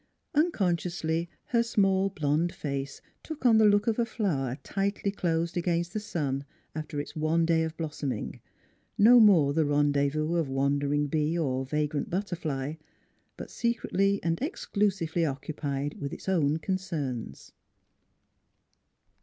Unconsciously her small, blond face took on the look of a flower tightly closed against the sun after its one day of blossoming, no more the rendezvous of wan dering bee or vagrant butterfly, but secretly and exclusively occupied with its own concerns.